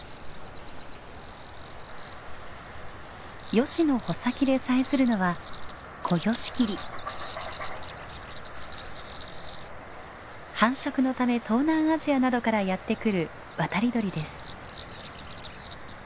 ヨシの穂先でさえずるのは繁殖のため東南アジアなどからやって来る渡り鳥です。